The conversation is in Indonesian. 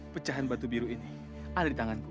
pecahan batu biru ini ada di tanganku